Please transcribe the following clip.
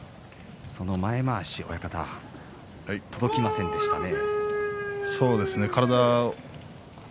前まわし、親方届きませんでしたね。